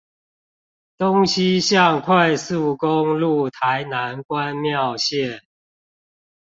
東西向快速公路台南關廟線